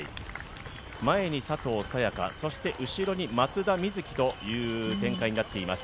前に佐藤早也伽、そして後ろに松田瑞生という展開になっています。